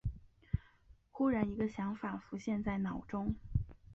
忽然一个想法浮现在脑中